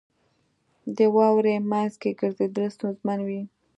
• د واورې مینځ کې ګرځېدل ستونزمن وي.